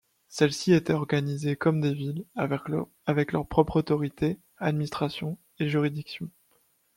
Celles-ci étaient organisées comme des villes, avec leur propre autorité, administration, et juridiction.